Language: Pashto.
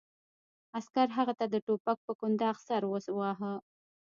عسکر هغه د ټوپک په کنداغ په سر وواهه